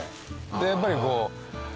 でやっぱりこう。